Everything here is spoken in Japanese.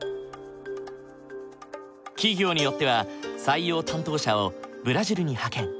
企業によっては採用担当者をブラジルに派遣。